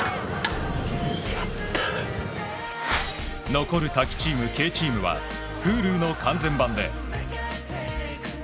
残るＴＡＫＩチーム、ＫチームはＨｕｌｕの完全版で。